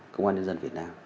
công an nhân dân việt nam